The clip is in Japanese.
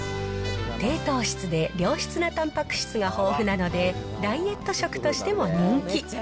低糖質で良質なたんぱく質が豊富なので、ダイエット食としても人気。